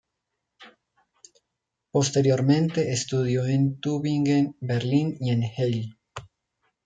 Posteriormente estudió en Tübingen, Berlín y en Halle.